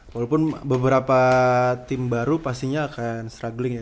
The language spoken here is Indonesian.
walaupun beberapa tim baru pastinya akan struggling ya